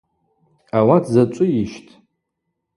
Ауат зачӏвыйищтӏ?